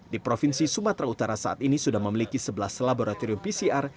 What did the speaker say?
di provinsi sumatera utara saat ini sudah memiliki sebelas laboratorium pcr